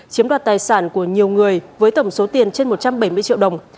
chiếm đoạt tài sản của nhiều người với tổng số tiền trên một trăm bảy mươi triệu đồng